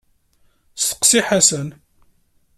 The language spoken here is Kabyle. Steqsi Ḥasan!